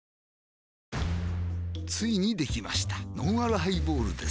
ついにできましたのんあるハイボールです